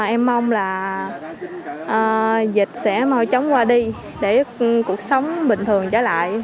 em mong là dịch sẽ maui chóng qua đi để cuộc sống bình thường trở lại